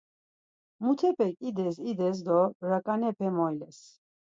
Mtutepek ides ides do raǩanepe moiles.